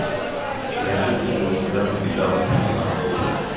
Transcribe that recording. Няколко гласове наближаваха насам.